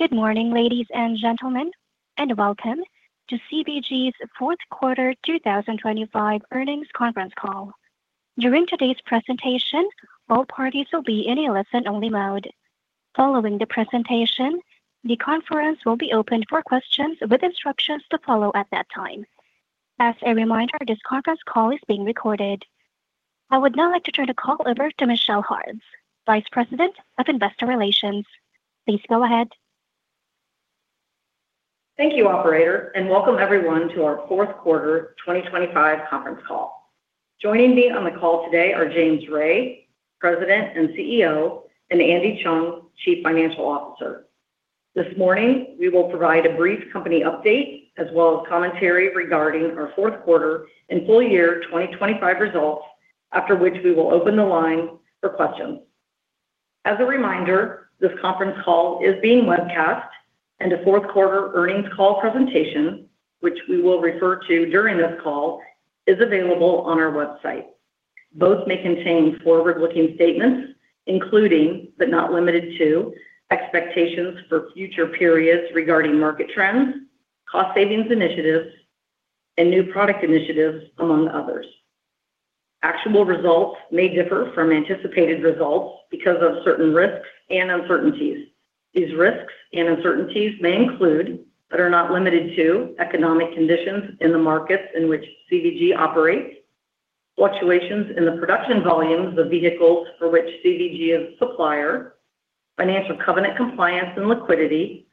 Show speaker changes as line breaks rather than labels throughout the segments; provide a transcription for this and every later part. Good morning, ladies and gentlemen, and welcome to CVG's fourth quarter 2025 earnings conference call. During today's presentation, all parties will be in a listen only mode. Following the presentation, the conference will be opened for questions with instructions to follow at that time. As a reminder, this conference call is being recorded. I would now like to turn the call over to Michelle Harvis, Vice President of Investor Relations. Please go ahead.
Thank you, operator, and welcome everyone to our fourth quarter 2025 conference call. Joining me on the call today are James R. Ray, President and CEO, and Andy Cheung, Chief Financial Officer. This morning, we will provide a brief company update as well as commentary regarding our fourth quarter and full year 2025 results, after which we will open the line for questions. As a reminder, this conference call is being webcast and a fourth quarter earnings call presentation, which we will refer to during this call, is available on our website. Both may contain forward-looking statements, including, but not limited to, expectations for future periods regarding market trends, cost savings initiatives, and new product initiatives, among others. Actual results may differ from anticipated results because of certain risks and uncertainties. These risks and uncertainties may include, but are not limited to, economic conditions in the markets in which CVG operates, fluctuations in the production volumes of vehicles for which CVG is a supplier, financial covenant compliance and liquidity,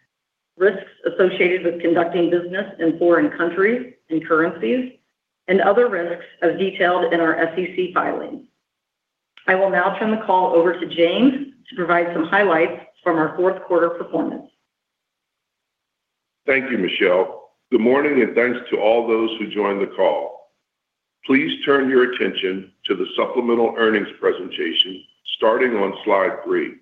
risks associated with conducting business in foreign countries and currencies, and other risks as detailed in our SEC filing. I will now turn the call over to James to provide some highlights from our fourth quarter performance.
Thank you, Michelle. Good morning, and thanks to all those who joined the call. Please turn your attention to the supplemental earnings presentation starting on slide three.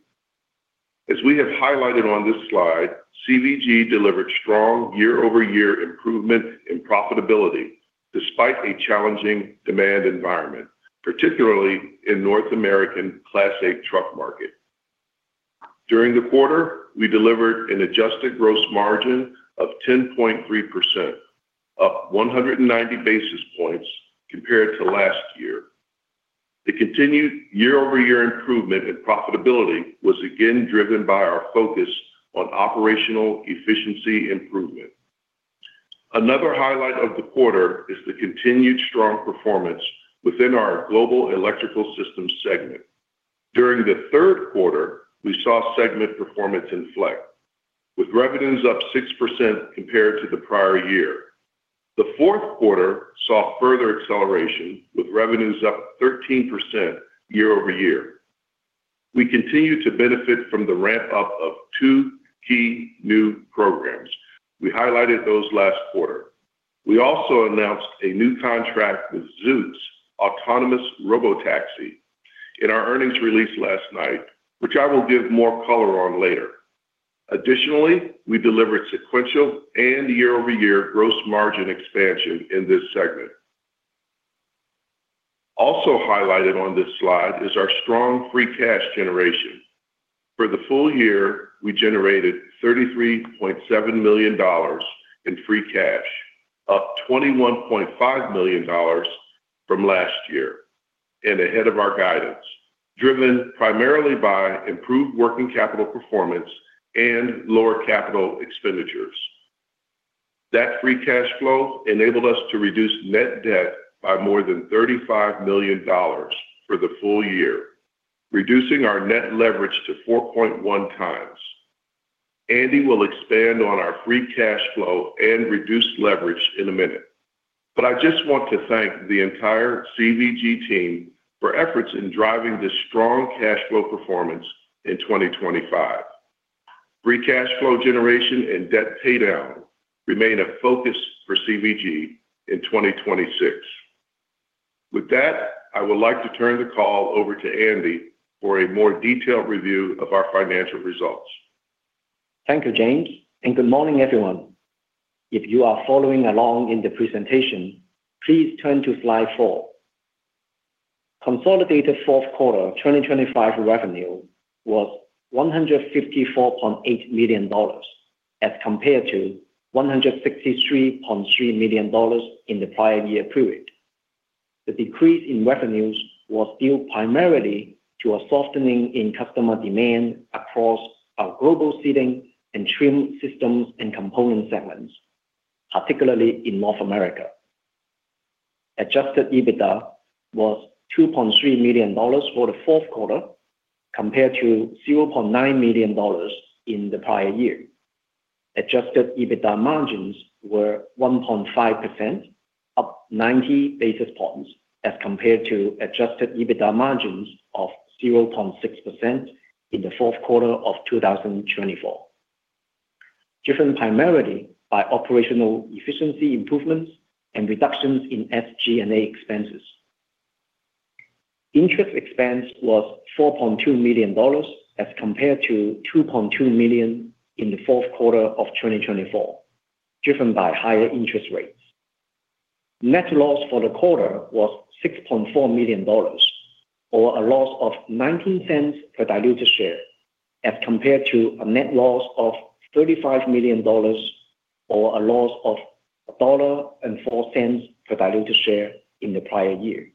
As we have highlighted on this slide, CVG delivered strong year-over-year improvement in profitability despite a challenging demand environment, particularly in North American Class 8 truck market. During the quarter, we delivered an adjusted gross margin of 10.3%, up 190 basis points compared to last year. The continued year-over-year improvement in profitability was again driven by our focus on operational efficiency improvement. Another highlight of the quarter is the continued strong performance within our Global Electrical Systems segment. During the third quarter, we saw segment performance inflect, with revenues up 6% compared to the prior year. The fourth quarter saw further acceleration, with revenues up 13% year over year. We continue to benefit from the ramp up of two key new programs. We highlighted those last quarter. We also announced a new contract with Zoox autonomous robotaxi in our earnings release last night, which I will give more color on later. Additionally, we delivered sequential and year-over-year gross margin expansion in this segment. Also highlighted on this slide is our strong free cash generation. For the full year, we generated $33.7 million in free cash, up $21.5 million from last year, and ahead of our guidance, driven primarily by improved working capital performance and lower capital expenditures. That free cash flow enabled us to reduce net debt by more than $35 million for the full year, reducing our net leverage to 4.1 times. Andy will expand on our free cash flow and reduced leverage in a minute. I just want to thank the entire CVG team for efforts in driving this strong cash flow performance in 2025. Free cash flow generation and debt paydown remain a focus for CVG in 2026. With that, I would like to turn the call over to Andy for a more detailed review of our financial results.
Thank you, James, and good morning, everyone. If you are following along in the presentation, please turn to slide four. Consolidated fourth quarter 2025 revenue was $154.8 million as compared to $163.3 million in the prior year period. The decrease in revenues was due primarily to a softening in customer demand across our Global Seating and Trim Systems and Components segments, particularly in North America. Adjusted EBITDA was $2.3 million for the fourth quarter compared to $0.9 million in the prior year. Adjusted EBITDA margins were 1.5%, up 90 basis points as compared to Adjusted EBITDA margins of 0.6% in the fourth quarter of 2024, driven primarily by operational efficiency improvements and reductions in SG&A expenses. Interest expense was $4.2 million as compared to $2.2 million in the fourth quarter of 2024, driven by higher interest rates. Net Loss for the quarter was $6.4 million or a loss of $0.19 per diluted share as compared to a Net Loss of $35 million or a loss of $1.04 per diluted share in the prior year.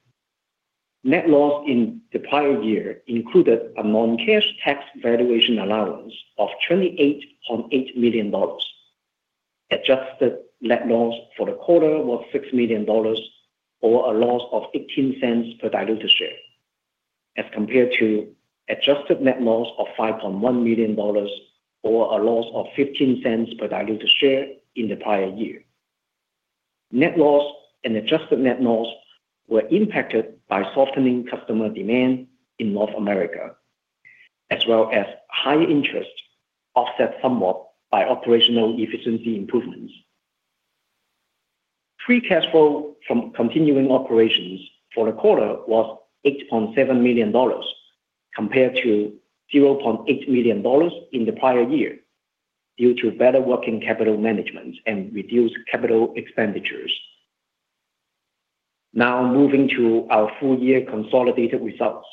Net Loss in the prior year included a non-cash tax valuation allowance of $28.8 million. Adjusted Net Loss for the quarter was $6 million or a loss of $0.18 per diluted share as compared to Adjusted Net Loss of $5.1 million or a loss of $0.15 per diluted share in the prior year. Net Loss and Adjusted Net Loss were impacted by softening customer demand in North America, as well as high interest offset somewhat by operational efficiency improvements. Free cash flow from continuing operations for the quarter was $8.7 million compared to $0.8 million in the prior year due to better working capital management and reduced capital expenditures. Now moving to our full year consolidated results.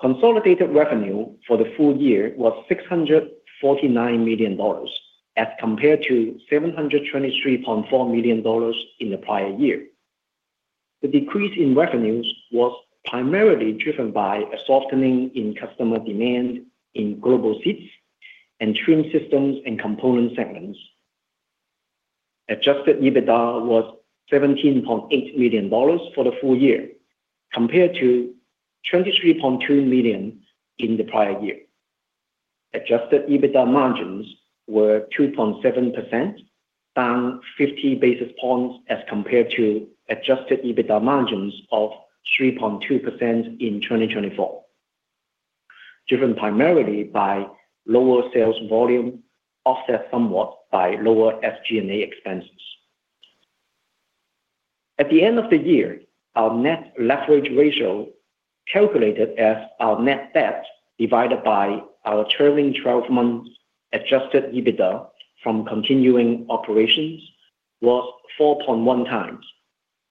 Consolidated revenue for the full year was $649 million as compared to $723.4 million in the prior year. The decrease in revenues was primarily driven by a softening in customer demand in Global Seating and Trim Systems and Components segments. Adjusted EBITDA was $17.8 million for the full year compared to $23.2 million in the prior year. Adjusted EBITDA margins were 2.7%, down 50 basis points as compared to Adjusted EBITDA margins of 3.2% in 2024, driven primarily by lower sales volume offset somewhat by lower SG&A expenses. At the end of the year, our net leverage ratio calculated as our net debt divided by our trailing twelve-month Adjusted EBITDA from continuing operations was 4.1 times,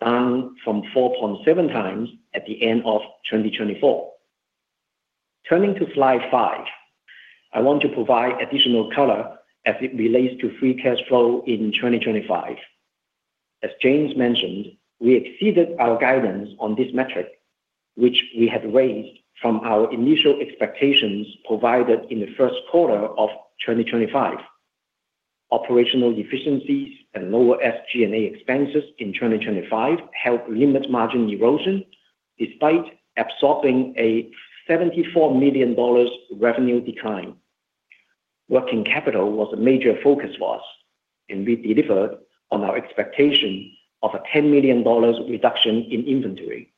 down from 4.7 times at the end of 2024. Turning to slide five, I want to provide additional color as it relates to free cash flow in 2025. As James mentioned, we exceeded our guidance on this metric, which we had raised from our initial expectations provided in the first quarter of 2025. Operational efficiencies and lower SG&A expenses in 2025 helped limit margin erosion despite absorbing a $74 million revenue decline. Working capital was a major focus for us, and we delivered on our expectation of a $10 million reduction in inventory.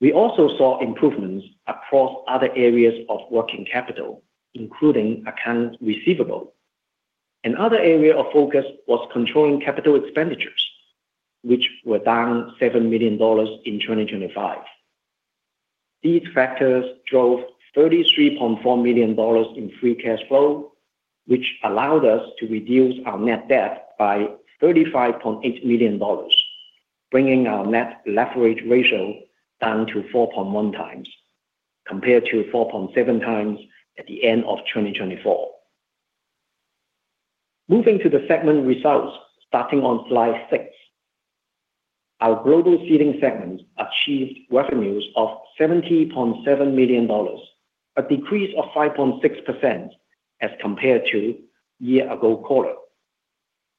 We also saw improvements across other areas of working capital, including accounts receivable. Another area of focus was controlling capital expenditures, which were down $7 million in 2025. These factors drove $33.4 million in free cash flow, which allowed us to reduce our net debt by $35.8 million, bringing our net leverage ratio down to 4.1 times compared to 4.7 times at the end of 2024. Moving to the segment results starting on slide six. Our Global Seating segment achieved revenues of $70.7 million, a decrease of 5.6% as compared to year-ago quarter,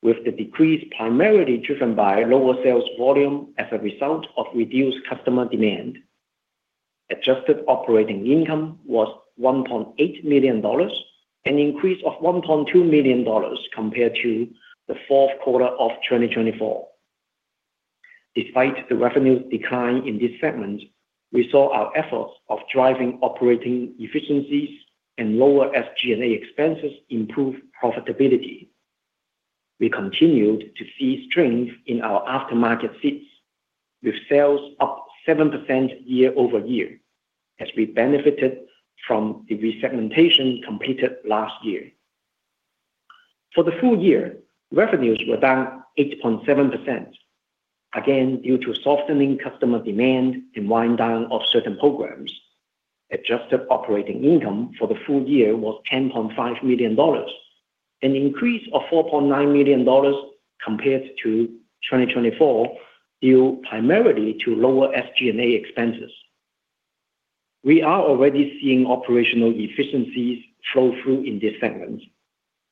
with the decrease primarily driven by lower sales volume as a result of reduced customer demand. Adjusted operating income was $1.8 million, an increase of $1.2 million compared to the fourth quarter of 2024. Despite the revenue decline in this segment, we saw our efforts of driving operating efficiencies and lower SG&A expenses improve profitability. We continued to see strength in our aftermarket seats, with sales up 7% year-over-year as we benefited from the resegmentation completed last year. For the full year, revenues were down 8.7%, again due to softening customer demand and wind down of certain programs. Adjusted operating income for the full year was $10.5 million, an increase of $4.9 million compared to 2024 due primarily to lower SG&A expenses. We are already seeing operational efficiencies flow through in this segment,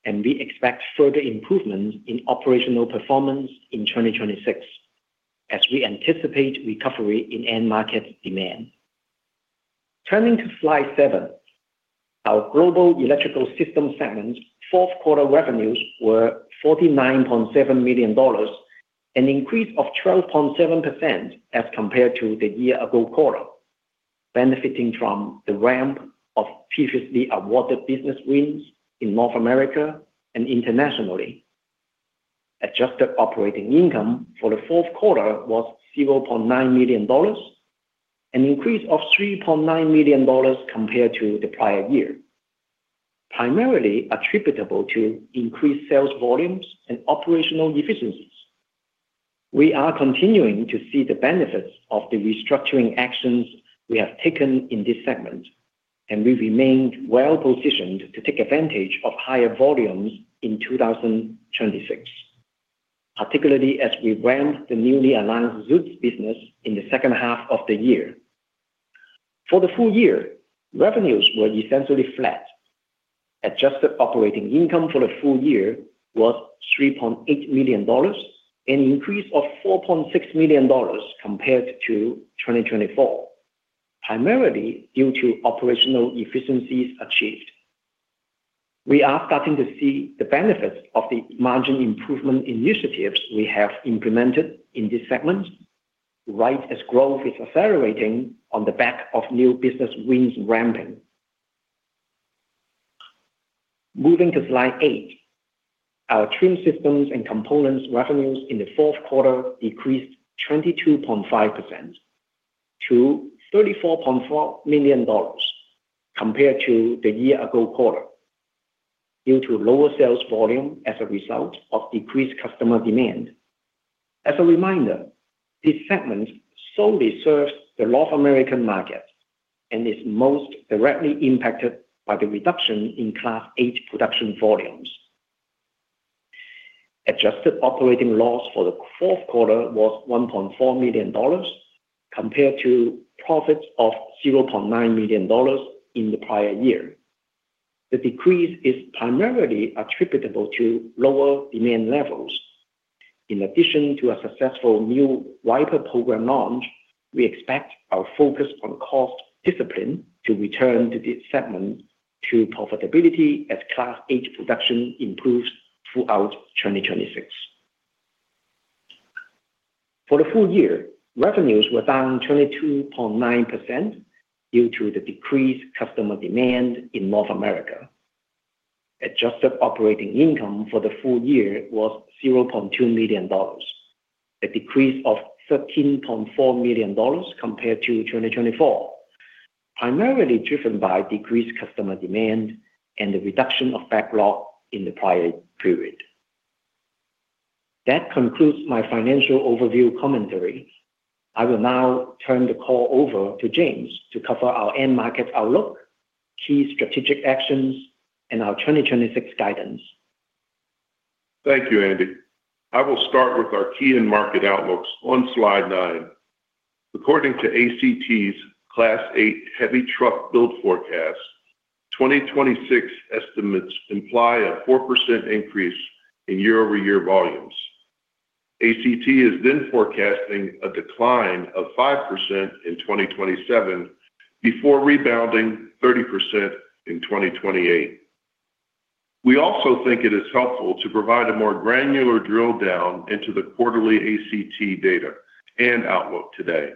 and we expect further improvements in operational performance in 2026 as we anticipate recovery in end market demand. Turning to slide seven, our Global Electrical Systems segment's fourth quarter revenues were $49.7 million, an increase of 12.7% as compared to the year-ago quarter, benefiting from the ramp of previously awarded business wins in North America and internationally. Adjusted operating income for the fourth quarter was $0.9 million, an increase of $3.9 million compared to the prior year. Primarily attributable to increased sales volumes and operational efficiencies. We are continuing to see the benefits of the restructuring actions we have taken in this segment, and we remained well-positioned to take advantage of higher volumes in 2026, particularly as we ramp the newly announced Zoox business in the second half of the year. For the full year, revenues were essentially flat. Adjusted operating income for the full year was $3.8 million, an increase of $4.6 million compared to 2024, primarily due to operational efficiencies achieved. We are starting to see the benefits of the margin improvement initiatives we have implemented in this segment, right as growth is accelerating on the back of new business wins ramping. Moving to slide 8. Our Trim Systems and Components revenues in the fourth quarter decreased 22.5% to $34.4 million compared to the year-ago quarter, due to lower sales volume as a result of decreased customer demand. As a reminder, this segment solely serves the North American market and is most directly impacted by the reduction in Class 8 production volumes. Adjusted Operating Loss for the fourth quarter was $1.4 million compared to profits of $0.9 million in the prior year. The decrease is primarily attributable to lower demand levels. In addition to a successful new wiper program launch, we expect our focus on cost discipline to return this segment to profitability as Class 8 production improves throughout 2026. For the full year, revenues were down 22.9% due to the decreased customer demand in North America. Adjusted operating income for the full year was $0.2 million, a decrease of $13.4 million compared to 2024, primarily driven by decreased customer demand and the reduction of backlog in the prior period. That concludes my financial overview commentary. I will now turn the call over to James to cover our end market outlook, key strategic actions, and our 2026 guidance.
Thank you, Andy. I will start with our key end market outlooks on slide nine. According to ACT's Class 8 heavy truck build forecast, 2026 estimates imply a 4% increase in year-over-year volumes. ACT is then forecasting a decline of 5% in 2027 before rebounding 30% in 2028. We also think it is helpful to provide a more granular drill down into the quarterly ACT data and outlook today.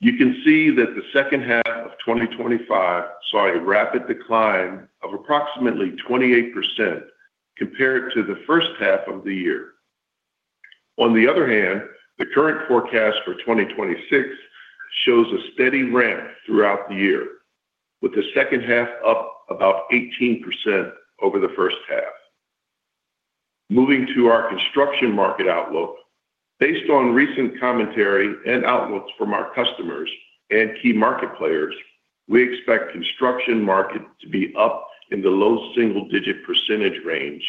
You can see that the second half of 2025 saw a rapid decline of approximately 28% compared to the first half of the year. On the other hand, the current forecast for 2026 shows a steady ramp throughout the year, with the second half up about 18% over the first half. Moving to our construction market outlook. Based on recent commentary and outlooks from our customers and key market players, we expect construction market to be up in the low single-digit % range,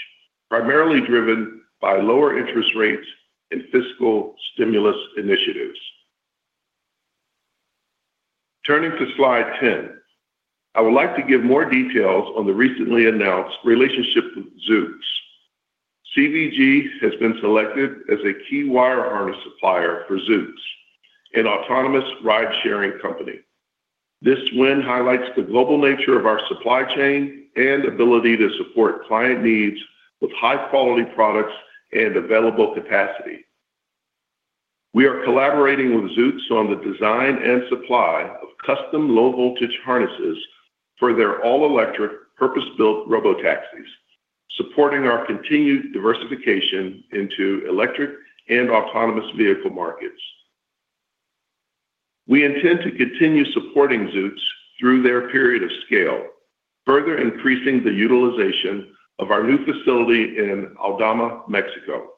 primarily driven by lower interest rates and fiscal stimulus initiatives. Turning to slide 10. I would like to give more details on the recently announced relationship with Zoox. CVG has been selected as a key wire harness supplier for Zoox, an autonomous ride-sharing company. This win highlights the global nature of our supply chain and ability to support client needs with high-quality products and available capacity. We are collaborating with Zoox on the design and supply of custom low-voltage harnesses for their all-electric purpose-built robotaxis, supporting our continued diversification into electric and autonomous vehicle markets. We intend to continue supporting Zoox through their period of scale, further increasing the utilization of our new facility in Aldama, Mexico.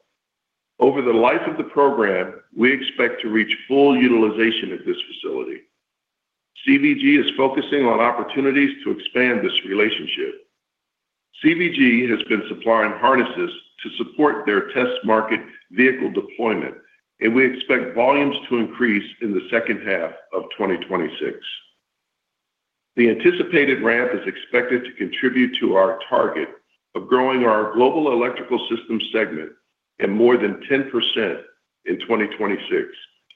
Over the life of the program, we expect to reach full utilization of this facility. CVG is focusing on opportunities to expand this relationship. CVG has been supplying harnesses to support their test market vehicle deployment, and we expect volumes to increase in the second half of 2026. The anticipated ramp is expected to contribute to our target of growing our Global Electrical Systems segment in more than 10% in 2026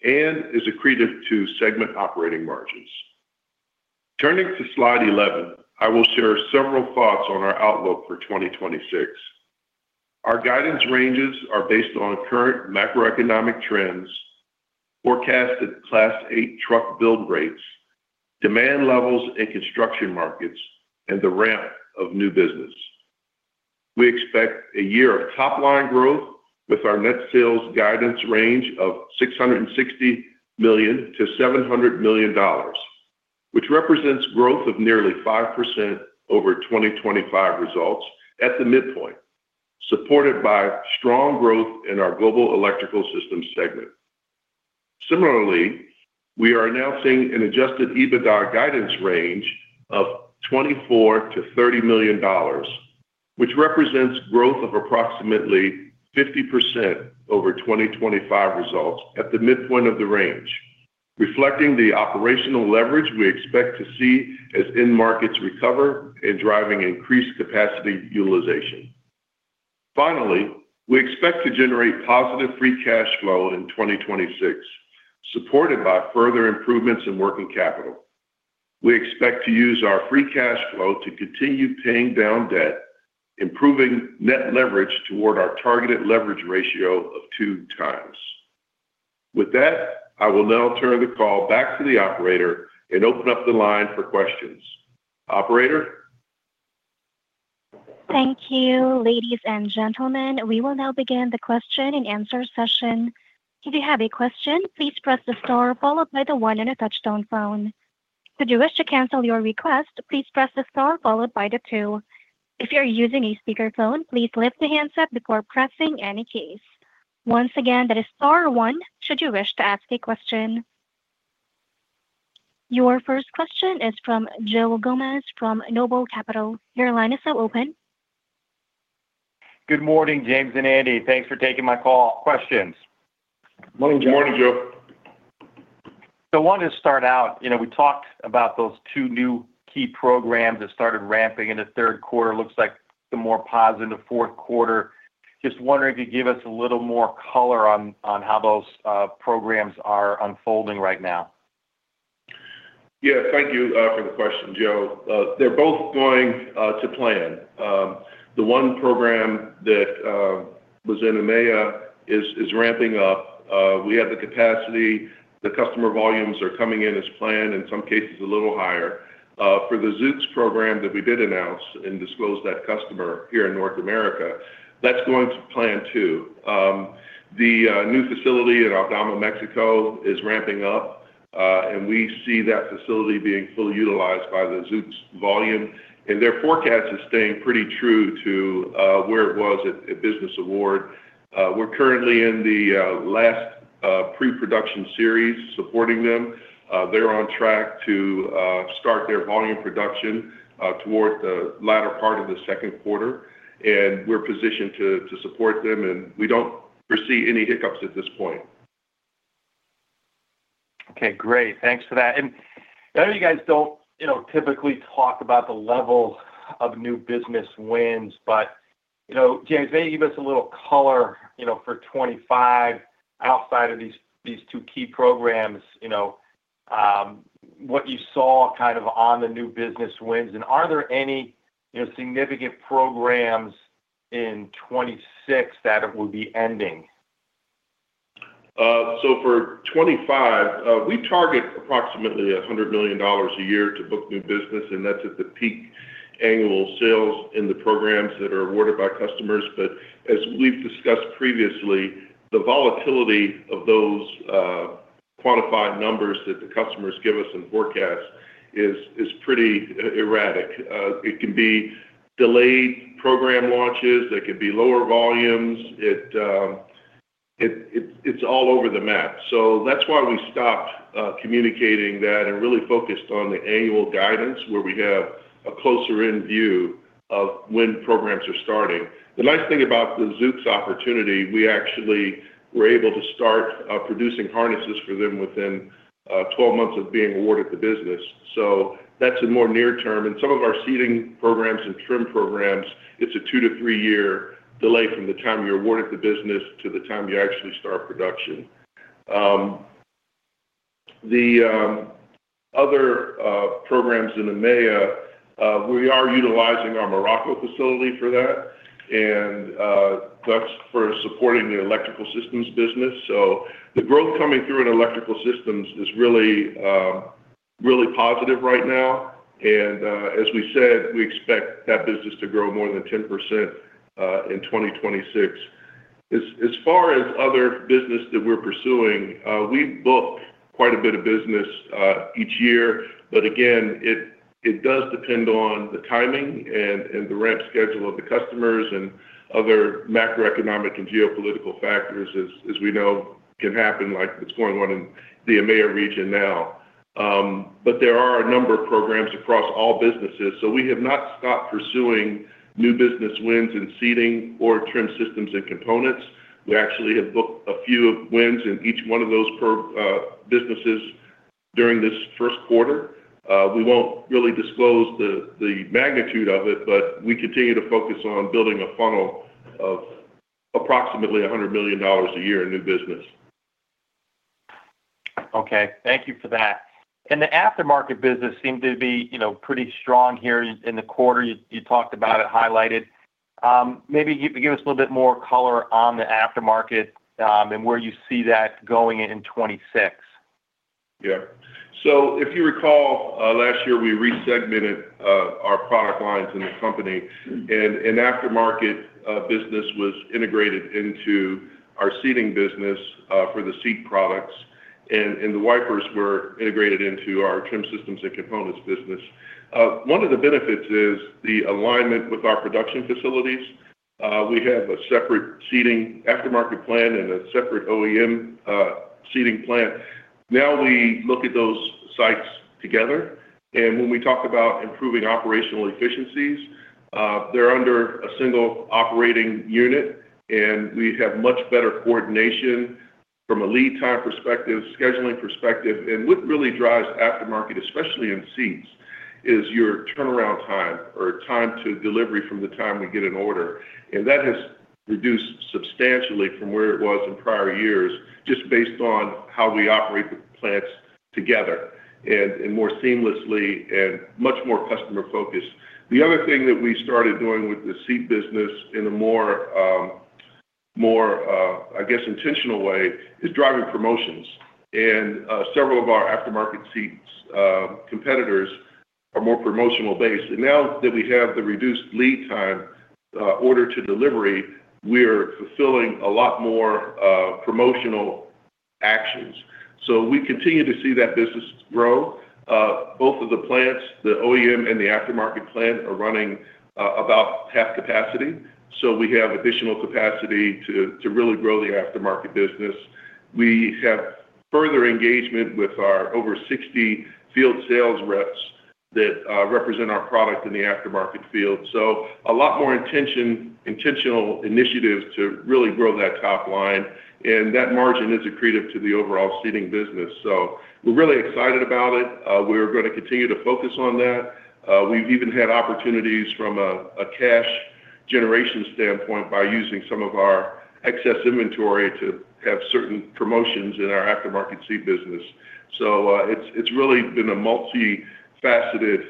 and is accretive to segment operating margins. Turning to slide 11, I will share several thoughts on our outlook for 2026. Our guidance ranges are based on current macroeconomic trends, forecasted Class 8 truck build rates, demand levels in construction markets, and the ramp of new business. We expect a year of top-line growth with our net sales guidance range of $660 million-$700 million, which represents growth of nearly 5% over 2025 results at the midpoint, supported by strong growth in our Global Electrical Systems segment. Similarly, we are now seeing an Adjusted EBITDA guidance range of $24 million-$30 million, which represents growth of approximately 50% over 2025 results at the midpoint of the range, reflecting the operational leverage we expect to see as end markets recover and driving increased capacity utilization. Finally, we expect to generate positive free cash flow in 2026, supported by further improvements in working capital. We expect to use our free cash flow to continue paying down debt, improving net leverage toward our targeted leverage ratio of 2 times. With that, I will now turn the call back to the operator and open up the line for questions. Operator?
Thank you. Ladies and gentlemen, we will now begin the question-and-answer session. If you have a question, please press the star followed by the one on a touch-tone phone. If you wish to cancel your request, please press the star followed by the two. If you're using a speakerphone, please lift the handset before pressing any keys. Once again, that is star one should you wish to ask a question. Your first question is from Joe Gomes from Noble Capital Markets. Your line is now open.
Good morning, James and Andy. Thanks for taking my call. Questions.
Morning, Joe.
Good morning, Joe.
I wanted to start out, you know, we talked about those two new key programs that started ramping in the third quarter. Looks like the more positive fourth quarter. Just wondering if you could give us a little more color on how those programs are unfolding right now.
Yeah, thank you for the question, Joe. They're both going to plan. The one program that was in EMEA is ramping up. We have the capacity. The customer volumes are coming in as planned, in some cases a little higher. For the Zoox program that we did announce and disclose that customer here in North America, that's going to plan too. The new facility in Aldama, Mexico, is ramping up, and we see that facility being fully utilized by the Zoox volume. Their forecast is staying pretty true to where it was at business award. We're currently in the last pre-production series supporting them. They're on track to start their volume production toward the latter part of the second quarter. We're positioned to support them, and we don't foresee any hiccups at this point.
Okay, great. Thanks for that. I know you guys don't, you know, typically talk about the level of new business wins, but, you know, James, maybe give us a little color, you know, for 2025 outside of these two key programs, you know, what you saw kind of on the new business wins. Are there any, you know, significant programs in 2026 that will be ending?
For 2025, we target approximately $100 million a year to book new business, and that's at the peak annual sales in the programs that are awarded by customers. But as we've discussed previously, the volatility of those quantified numbers that the customers give us in forecasts is pretty erratic. It can be delayed program launches. There could be lower volumes. It's all over the map. That's why we stopped communicating that and really focused on the annual guidance where we have a closer end view of when programs are starting. The nice thing about the Zoox opportunity, we actually were able to start producing harnesses for them within 12 months of being awarded the business. That's a more near term. In some of our Seating programs and Trim programs, it's a 2-3-year delay from the time you're awarded the business to the time you actually start production. The other programs in EMEA, we are utilizing our Morocco facility for that, and that's for supporting the Electrical Systems business. The growth coming through in Electrical Systems is really positive right now, and as we said, we expect that business to grow more than 10% in 2026. As far as other business that we're pursuing, we book quite a bit of business each year, but again, it does depend on the timing and the ramp schedule of the customers and other macroeconomic and geopolitical factors as we know can happen, like what's going on in the EMEA region now. There are a number of programs across all businesses, so we have not stopped pursuing new business wins in seating or Trim Systems and Components. We actually have booked a few wins in each one of those businesses during this first quarter. We won't really disclose the magnitude of it, but we continue to focus on building a funnel of approximately $100 million a year in new business.
Okay. Thank you for that. The aftermarket business seemed to be, you know, pretty strong here in the quarter. You talked about it, highlighted. Maybe give us a little bit more color on the aftermarket, and where you see that going in 2026.
Yeah. So if you recall, last year we resegmented our product lines in the company and aftermarket business was integrated into our seating business for the seat products and the wipers were integrated into our Trim Systems and Components business. One of the benefits is the alignment with our production facilities. We have a separate seating aftermarket plan and a separate OEM seating plan. Now we look at those sites together, and when we talk about improving operational efficiencies, they're under a single operating unit, and we have much better coordination from a lead time perspective, scheduling perspective. What really drives aftermarket, especially in seats, is your turnaround time or time to delivery from the time we get an order. That has reduced substantially from where it was in prior years, just based on how we operate the plants together and more seamlessly and much more customer-focused. The other thing that we started doing with the seat business in a more intentional way is driving promotions. Several of our aftermarket seats competitors are more promotional-based. Now that we have the reduced lead time, order to delivery, we're fulfilling a lot more promotional actions. We continue to see that business grow. Both of the plants, the OEM and the aftermarket plant, are running about half capacity, so we have additional capacity to really grow the aftermarket business. We have further engagement with our over 60 field sales reps that represent our product in the aftermarket field. A lot more intentional initiatives to really grow that top line, and that margin is accretive to the overall seating business. We're really excited about it. We're gonna continue to focus on that. We've even had opportunities from a cash generation standpoint by using some of our excess inventory to have certain promotions in our aftermarket seat business. It's really been a multifaceted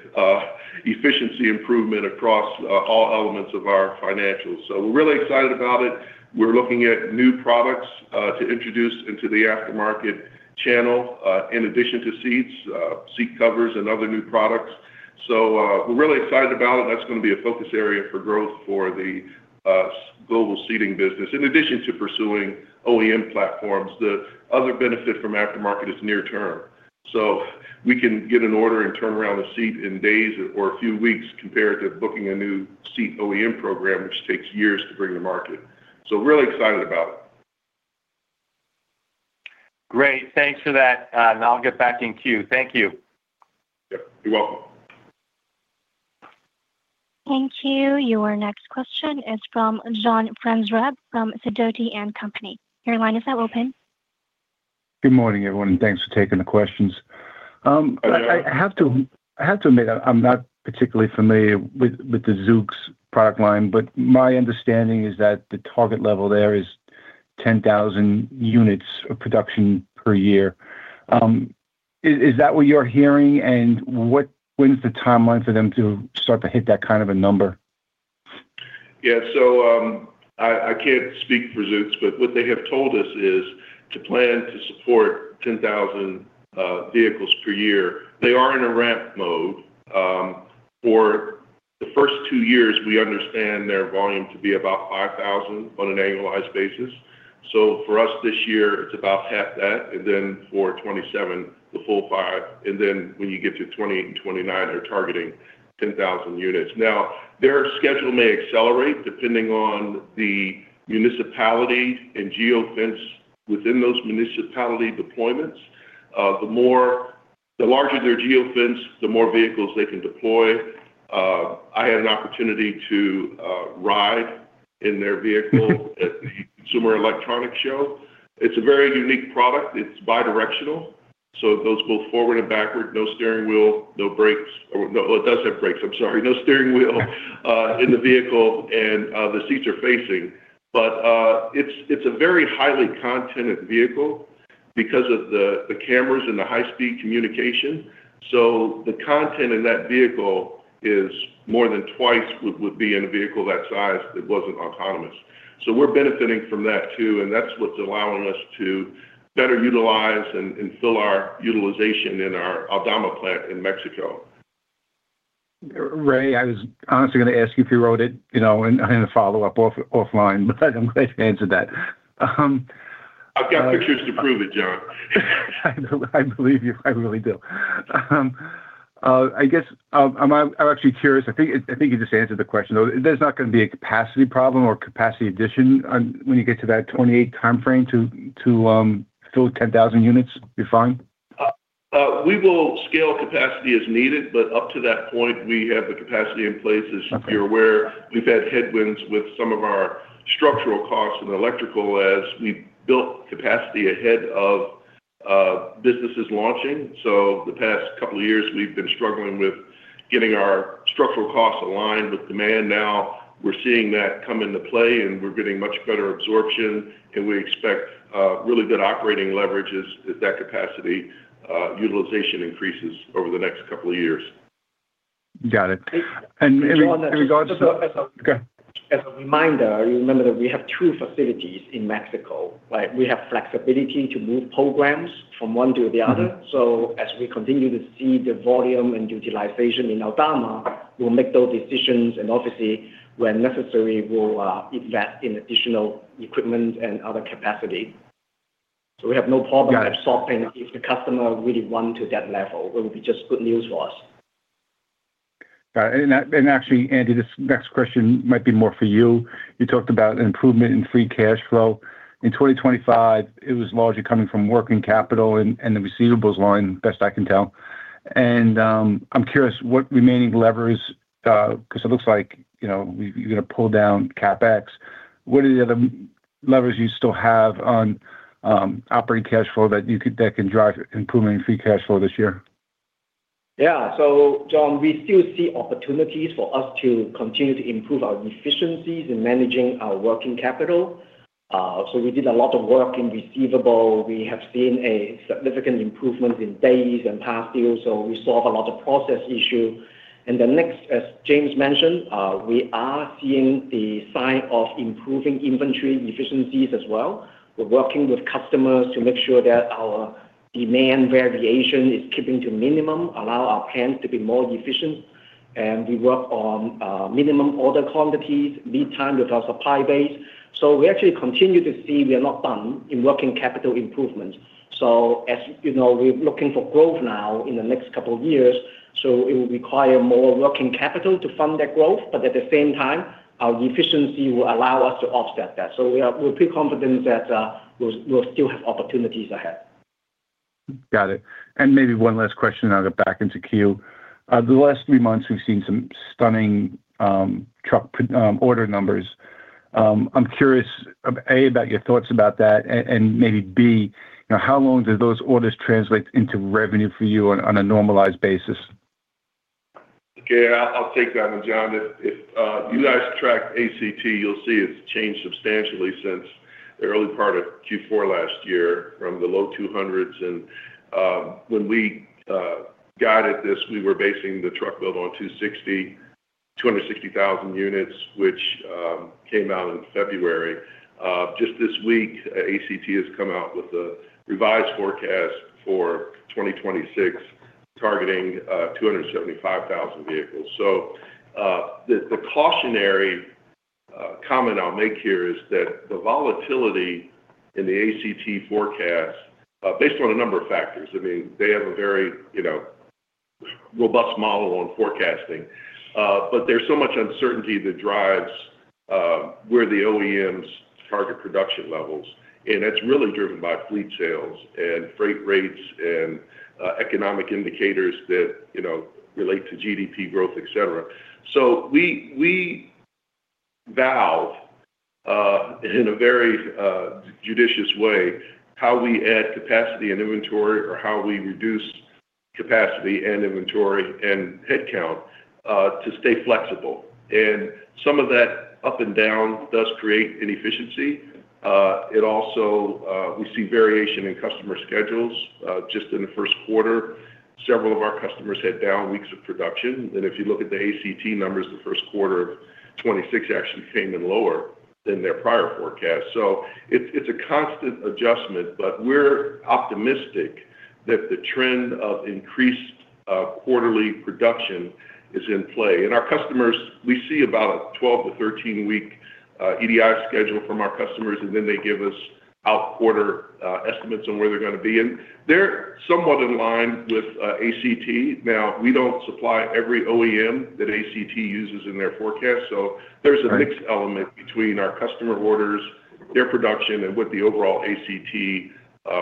efficiency improvement across all elements of our financials. We're really excited about it. We're looking at new products to introduce into the aftermarket channel in addition to seats, seat covers and other new products. We're really excited about it. That's gonna be a focus area for growth for the Global Seating business. In addition to pursuing OEM platforms, the other benefit from aftermarket is near term. We can get an order and turn around a seat in days or a few weeks compared to booking a new seat OEM program, which takes years to bring to market. We're really excited about it.
Great. Thanks for that, and I'll get back in queue. Thank you.
Yep. You're welcome.
Thank you. Your next question is from John Franzreb from Sidoti & Company. Your line is now open.
Good morning, everyone, and thanks for taking the questions. I have to admit, I'm not particularly familiar with the Zoox product line, but my understanding is that the target level there is 10,000 units of production per year. Is that what you're hearing, and when's the timeline for them to start to hit that kind of a number?
Yeah. I can't speak for Zoox, but what they have told us is to plan to support 10,000 vehicles per year. They are in a ramp mode. For the first two years, we understand their volume to be about 5,000 on an annualized basis. For us this year, it's about half that, and then for 2027, the full 5,000, and then when you get to 2028 and 2029, they're targeting 10,000 units. Now, their schedule may accelerate depending on the municipality and geofence within those municipality deployments. The larger their geofence, the more vehicles they can deploy. I had an opportunity to ride in their vehicle at the Consumer Electronics Show. It's a very unique product. It's bidirectional, so those go forward and backward, no steering wheel, no brakes. Or no, it does have brakes. I'm sorry. No steering wheel in the vehicle, and the seats are facing. It's a very highly content vehicle because of the cameras and the high-speed communication. The content in that vehicle is more than twice what would be in a vehicle that size that wasn't autonomous. We're benefiting from that too, and that's what's allowing us to better utilize and fill our utilization in our Aldama plant in Mexico.
Ray, I was honestly gonna ask you if you rode it, you know, and a follow-up offline, but I'm glad you answered that.
I've got pictures to prove it, John.
I know. I believe you. I really do. I guess, I'm actually curious. I think you just answered the question, though. There's not gonna be a capacity problem or capacity addition when you get to that 2028 timeframe to fill 10,000 units? You're fine?
We will scale capacity as needed, but up to that point, we have the capacity in place.
Okay.
As you're aware, we've had headwinds with some of our structural costs and electrical as we built capacity ahead of businesses launching. The past couple of years, we've been struggling with getting our structural costs aligned with demand. Now we're seeing that come into play, and we're getting much better absorption, and we expect really good operating leverages as that capacity utilization increases over the next couple of years.
Got it.
John, as a
Go ahead.
As a reminder, you remember that we have two facilities in Mexico, right? We have flexibility to move programs from one to the other.
Mm-hmm.
As we continue to see the volume and utilization in Aldama, we'll make those decisions, and obviously, when necessary, we'll invest in additional equipment and other capacity. We have no problem-
Got it.
Absorbing if the customer really want to that level. It will be just good news for us.
Got it. Actually, Andy, this next question might be more for you. You talked about improvement in free cash flow. In 2025, it was largely coming from working capital and the receivables line, best I can tell. I'm curious what remaining levers, 'cause it looks like, you know, you're gonna pull down CapEx. What are the other levers you still have on operating cash flow that can drive improvement in free cash flow this year?
Yeah. John, we still see opportunities for us to continue to improve our efficiencies in managing our working capital. We did a lot of work in receivables. We have seen a significant improvement in days and past due, so we solve a lot of process issues. As James mentioned, we are seeing the signs of improving inventory efficiencies as well. We're working with customers to make sure that our demand variation is keeping to minimum, allowing our plants to be more efficient, and we work on minimum order quantities, lead times with our supply base. We actually continue to see we are not done in working capital improvements. As you know, we're looking for growth now in the next couple of years, so it will require more working capital to fund that growth, but at the same time, our efficiency will allow us to offset that. We're pretty confident that we'll still have opportunities ahead.
Got it. Maybe one last question, and I'll get back into queue. The last three months we've seen some stunning order numbers. I'm curious of A, about your thoughts about that and maybe B, you know, how long do those orders translate into revenue for you on a normalized basis?
Okay. I'll take that one, John. If you guys track ACT, you'll see it's changed substantially since the early part of Q4 last year from the low 200s. When we guided this, we were basing the truck build on 260,000 units, which came out in February. Just this week, ACT has come out with a revised forecast for 2026, targeting 275,000 vehicles. The cautionary comment I'll make here is that the volatility in the ACT forecast based on a number of factors, I mean, they have a very, you know, robust model on forecasting. But there's so much uncertainty that drives where the OEMs target production levels. That's really driven by fleet sales and freight rates and economic indicators that, you know, relate to GDP growth, et cetera. We view in a very judicious way how we add capacity and inventory or how we reduce capacity and inventory and head count to stay flexible. Some of that up and down does create inefficiency. We see variation in customer schedules. Just in the first quarter, several of our customers had down weeks of production. If you look at the ACT numbers, the first quarter of 2026 actually came in lower than their prior forecast. It's a constant adjustment, but we're optimistic that the trend of increased quarterly production is in play. Our customers, we see about a 12-13 week EDI schedule from our customers, and then they give us out quarter estimates on where they're gonna be, and they're somewhat in line with ACT. Now, we don't supply every OEM that ACT uses in their forecast, so there's a
Right
mixed element between our customer orders, their production, and what the overall ACT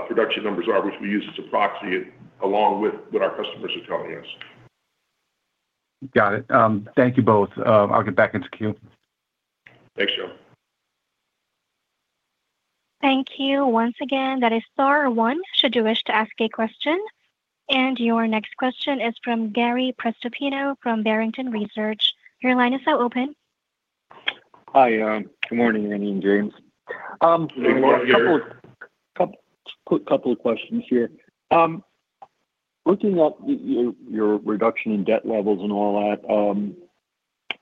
production numbers are, which we use as a proxy along with what our customers are telling us.
Got it. Thank you both. I'll get back into queue.
Thanks, John.
Thank you once again. That is star one should you wish to ask a question. Your next question is from Gary Prestopino from Barrington Research. Your line is now open.
Hi. Good morning, Andy and James.
Good morning, Gary.
A couple of quick questions here. Looking at your reduction in debt levels and all that,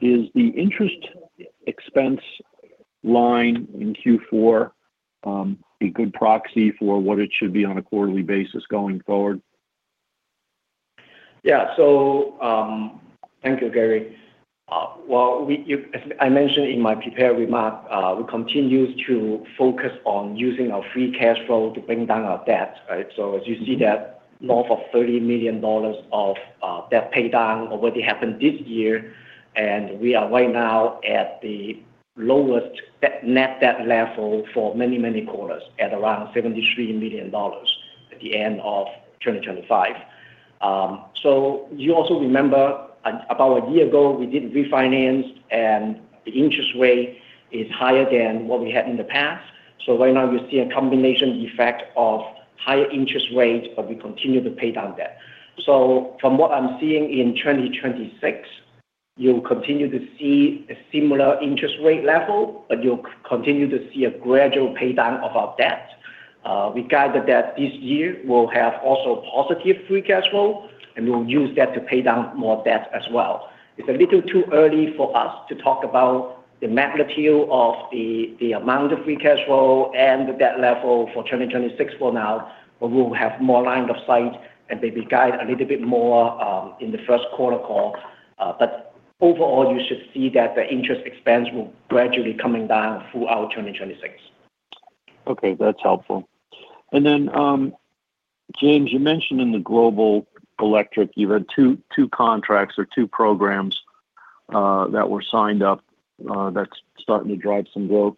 is the interest expense line in Q4 a good proxy for what it should be on a quarterly basis going forward?
Yeah. Thank you, Gary. As I mentioned in my prepared remark, we continue to focus on using our free cash flow to bring down our debt, right? As you see that north of $30 million of debt pay down already happened this year, and we are right now at the lowest net debt level for many, many quarters, at around $73 million at the end of 2025. You also remember about a year ago, we did refinance, and the interest rate is higher than what we had in the past. Right now you see a combination effect of higher interest rates, but we continue to pay down debt. From what I'm seeing in 2026, you'll continue to see a similar interest rate level, but you'll continue to see a gradual pay down of our debt. We guided that this year we'll have also positive free cash flow, and we'll use that to pay down more debt as well. It's a little too early for us to talk about the magnitude of the amount of free cash flow and the debt level for 2026 for now. We'll have more line of sight and maybe guide a little bit more in the first quarter call. Overall, you should see that the interest expense will gradually coming down throughout 2026.
Okay, that's helpful. James, you mentioned in the Global Electrical, you had two contracts or two programs that were signed up, that's starting to drive some growth.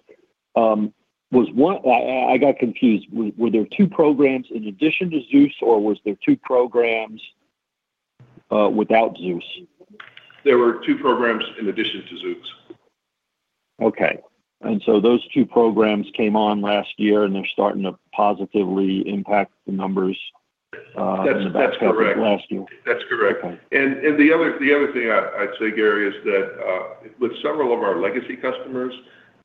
I got confused. Were there two programs in addition to Zoox, or was there two programs without Zoox?
There were two programs in addition to Zoox.
Okay. Those two programs came on last year, and they're starting to positively impact the numbers.
That's correct.
In the back half of last year.
That's correct.
Okay.
The other thing I'd say, Gary, is that with several of our legacy customers,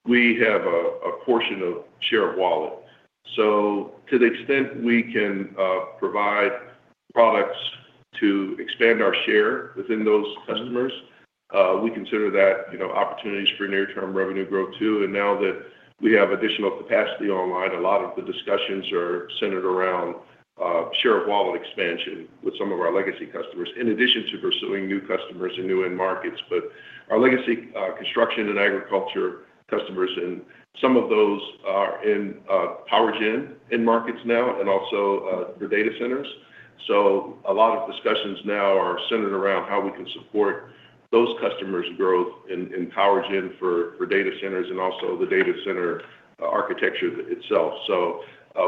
we have a portion of share of wallet. To the extent we can provide products to expand our share within those customers, we consider that, you know, opportunities for near-term revenue growth, too. Now that we have additional capacity online, a lot of the discussions are centered around share of wallet expansion with some of our legacy customers, in addition to pursuing new customers and new end markets. Our legacy construction and agriculture customers and some of those are in power gen end markets now and also the data centers. A lot of discussions now are centered around how we can support those customers' growth in power gen for data centers and also the data center architecture itself.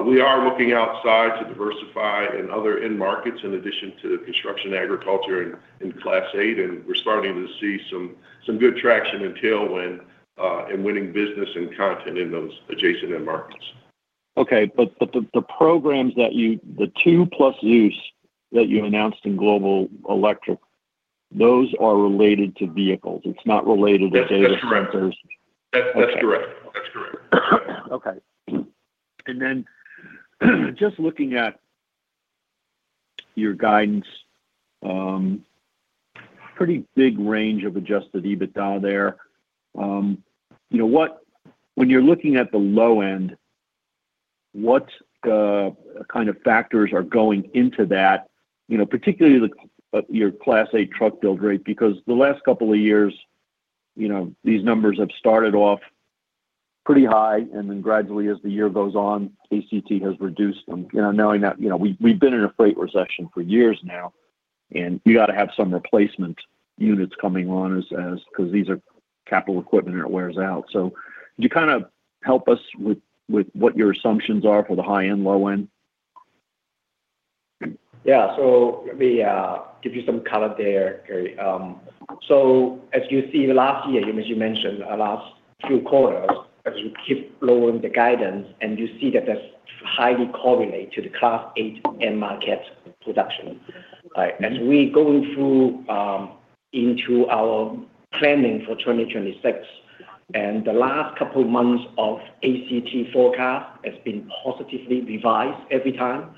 We are looking outside to diversify in other end markets in addition to the construction, agriculture and Class 8. We're starting to see some good traction and tailwind in winning business and content in those adjacent end markets.
The programs the two plus Zoox that you announced in Global Electrical, those are related to vehicles. It's not related to data centers.
That's correct.
Okay.
That's correct. That's correct.
Okay. Just looking at your guidance, pretty big range of Adjusted EBITDA there. You know what? When you're looking at the low end, what kind of factors are going into that? You know, particularly your Class 8 truck build rate, because the last couple of years, you know, these numbers have started off pretty high, and then gradually, as the year goes on, ACT has reduced them. You know, knowing that, you know, we've been in a freight recession for years now, and you gotta have some replacement units coming on, 'cause these are capital equipment, and it wears out. Could you kinda help us with what your assumptions are for the high end, low end?
Yeah. Let me give you some color there, Gary. As you see the last year, as you mentioned, our last few quarters, as we keep lowering the guidance, and you see that that's highly correlated to the Class 8 end market production. As we go through into our planning for 2026, and the last couple of months of ACT forecast has been positively revised every time.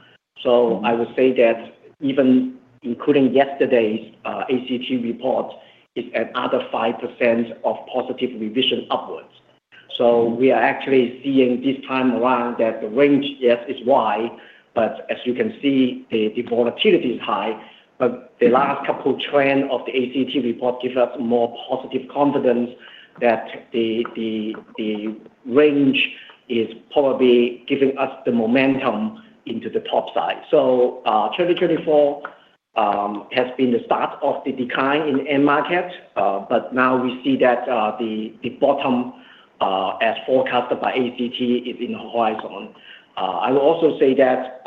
I would say that even including yesterday's ACT report is another 5% of positive revision upwards. We are actually seeing this time around that the range, yes, is wide, but as you can see, the volatility is high. The last couple trend of the ACT report gives us more positive confidence that the range is probably giving us the momentum into the top side. 2024 has been the start of the decline in end market, but now we see that the bottom, as forecasted by ACT, is in the horizon. I will also say that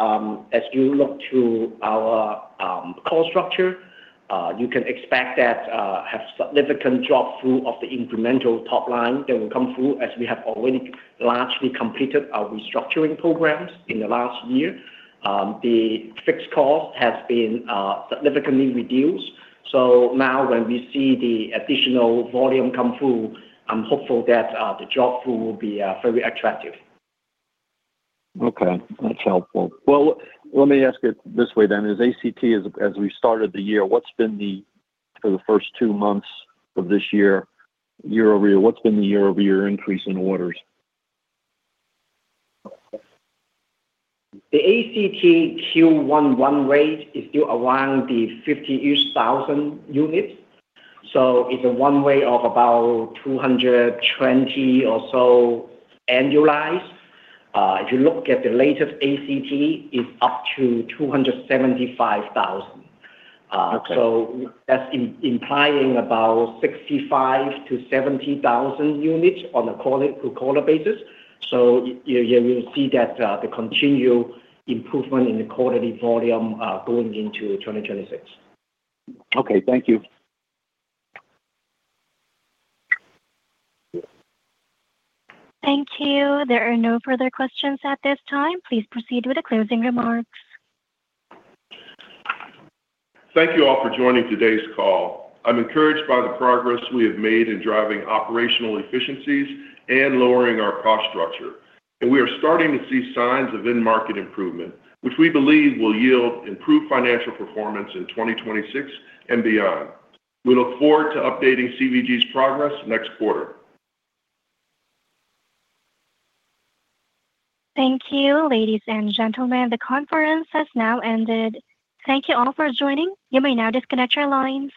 as you look to our cost structure, you can expect that have significant drop-through of the incremental top line that will come through, as we have already largely completed our restructuring programs in the last year. The fixed cost has been significantly reduced. Now when we see the additional volume come through, I'm hopeful that the drop-through will be very attractive.
Okay. That's helpful. Well, let me ask it this way then. As ACT, as we started the year, what's been the, for the first two months of this year-over-year, what's been the year-over-year increase in orders?
The ACT Q1 11 rate is still around the 50-ish thousand units, so it's a run rate of about 220 or so annualized. If you look at the latest ACT, it's up to 275,000.
Okay.
that's implying about 65,000-70,000 units on a quarter-to-quarter basis. You will see that, the continual improvement in the quarterly volume, going into 2026.
Okay. Thank you.
Thank you. There are no further questions at this time. Please proceed with the closing remarks.
Thank you all for joining today's call. I'm encouraged by the progress we have made in driving operational efficiencies and lowering our cost structure. We are starting to see signs of end market improvement, which we believe will yield improved financial performance in 2026 and beyond. We look forward to updating CVG's progress next quarter.
Thank you, ladies and gentlemen. The conference has now ended. Thank you all for joining. You may now disconnect your line.